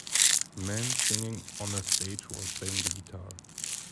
Man singing on a stage while playing the guitar.